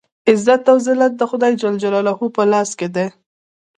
عزت او ذلت د خدای جل جلاله په لاس کې دی.